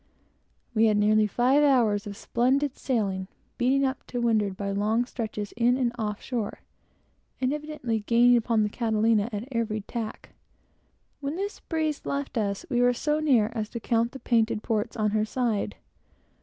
We had nearly five hours of fine sailing, beating up to windward, by long stretches in and off shore, and evidently gaining upon the Catalina at every tack. When this breeze left us, we were so near as to count the painted ports on her side.